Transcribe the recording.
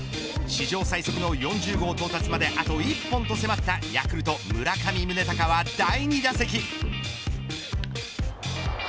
史上最速の４０号到達まであと１本と迫ったヤクルト村上宗隆は第２打席。